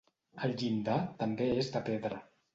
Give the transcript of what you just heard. El llindar també és de pedra.